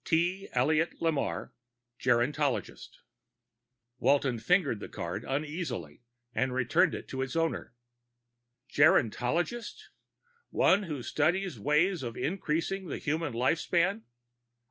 T. ELLIOT LAMARRE Gerontologist Walton fingered the card uneasily and returned it to its owner. "Gerontologist? One who studies ways of increasing the human life span?"